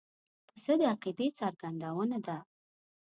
پسه د عقیدې څرګندونه ده.